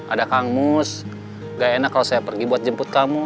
ada kang mus gak enak kalau saya pergi buat jemput kamu